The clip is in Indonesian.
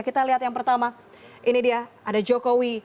kita lihat yang pertama ini dia ada jokowi